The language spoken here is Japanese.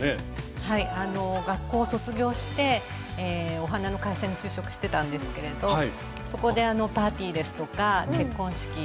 あの学校を卒業してお花の会社に就職してたんですけれどそこでパーティーですとか結婚式